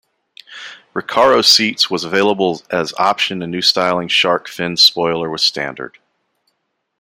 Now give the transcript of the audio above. Recaro seats was available as option and new styling shark fin spoiler was standard.